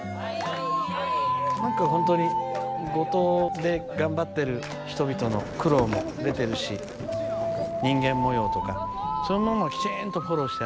何か本当に五島で頑張ってる人々の苦労も出てるし人間模様とかそういうもんもきちんとフォローしてあってね。